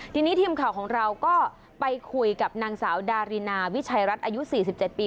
ทีนี้ทีมข่าวของเราก็ไปคุยกับนางสาวดารินาวิชัยรัฐอายุ๔๗ปี